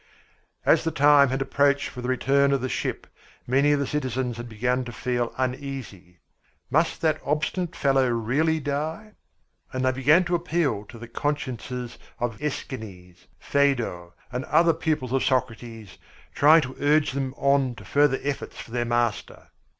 As the time had approached for the return of the ship, many of the citizens had begun to feel uneasy. Must that obstinate fellow really die? And they began to appeal to the consciences of Æschines, Phædo, and other pupils of Socrates, trying to urge them on to further efforts for their master.